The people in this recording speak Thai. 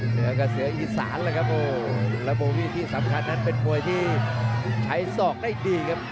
เหนือกับเสืออีสานแล้วครับโอ้โหแล้วโบวี่ที่สำคัญนั้นเป็นมวยที่ใช้ศอกได้ดีครับ